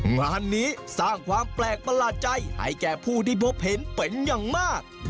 งานนี้สร้างความแปลกประหลาดใจให้แก่ผู้ที่พบเห็นเป็นอย่างมาก